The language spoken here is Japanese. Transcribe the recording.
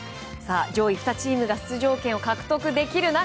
上位２チームが出場権を獲得できる中